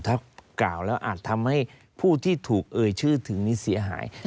ถ้ากล่าวแล้วอาจทำให้ผู้ที่ถูกเอ่ยชื่อถึงนี้เสียหาย